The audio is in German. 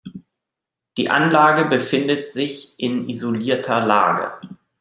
Die Anlage befindet sich in isolierter Lage.